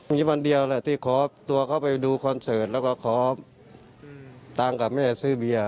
มีวันเดียวแหละที่ขอตัวเขาไปดูคอนเสิร์ตแล้วก็ขอตังค์กับแม่ซื้อเบียร์